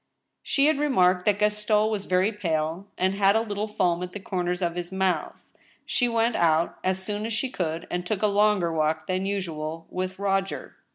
She had remarked that Gaston was very pale and had a little foam at the comers of his mouth. She went out, as soon as she could, and took a longer walk than usual with Roger.